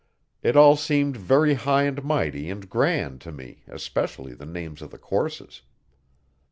It all seemed very high and mighty and grand to me especially the names of the courses.